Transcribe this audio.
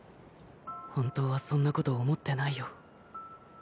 本当はそんなこと思ってないよ。